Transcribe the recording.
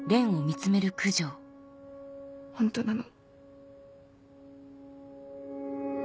ホントなの。